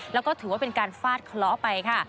แล้วก็ถือว่าเป็นการฟาดเคราะห์ไปค่ะ